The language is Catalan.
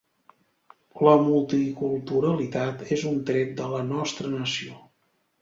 La multiculturalitat és un tret de la nostra nació.